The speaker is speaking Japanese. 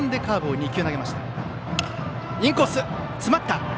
インコース、詰まった。